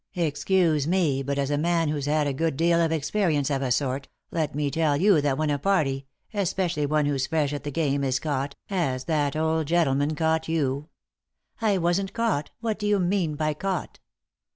"Excuse me, but as a man who's had a good deal of experience of a sort, let me tell you that when a party, especially one who's fresh at the game, is caught, as that old gentleman caught you "" I wasn't caught 1 What do you mean by caught